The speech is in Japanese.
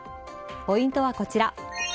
ポイントはこちら。